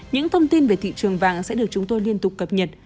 những thông tin về thị trường vàng sẽ được chúng tôi liên tục cập nhật